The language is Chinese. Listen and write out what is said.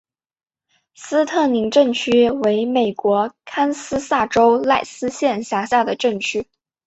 斯特宁镇区为美国堪萨斯州赖斯县辖下的镇区。